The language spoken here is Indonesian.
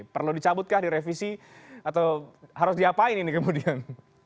perlu dicabutkah direvisi atau harus diapain ini kemudian